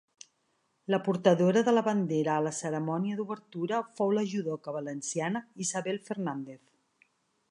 La portadora de la bandera a la cerimònia d'obertura fou la judoka valenciana Isabel Fernández.